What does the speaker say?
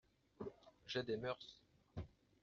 J’ai des mœurs.